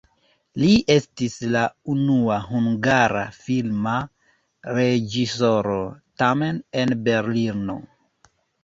Li estis la unua hungara filma reĝisoro, tamen en Berlino.